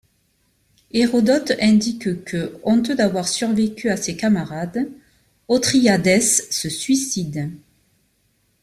Hérodote indique que, honteux d'avoir survécu à ses camarades, Othryadès se suicide.